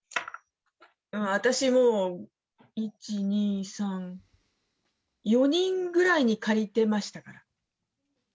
私も、１、２、３、４人ぐらいに借りてましたから。